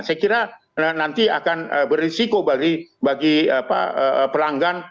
saya kira nanti akan berisiko bagi pelanggan